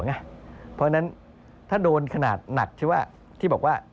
เพราะฉะนั้นถ้าโดนขนาดหนักที่ว่าที่บอกว่า